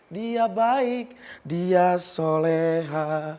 dia baik dia soleha